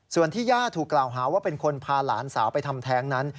ส่วนที่ย่าถูกกล่าวหาว่าเป็นคนพาหลานสาวไปทำแท้งนั้น